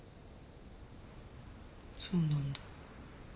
そうなんだ。